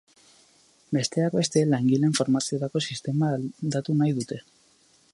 Besteak beste, langileen formaziorako sistema aldatu nahi dute.